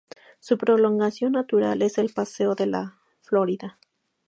Su prolongación natural es el Paseo de la Florida.